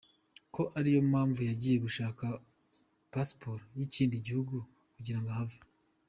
Ko ariyo mpamvu yagiye gushaka pasiporo y’ikindi gihugu kugirango ahave.